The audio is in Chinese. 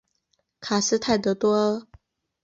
卡斯泰德多阿。